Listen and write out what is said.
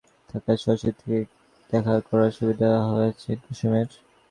সকলে যাদবকে লইয়া ব্যাপৃত থাকায় শশীর সঙ্গে দেখা করার সুবিধা হইয়াছে কুসুমের।